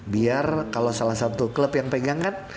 biar kalau salah satu klub yang pegang kan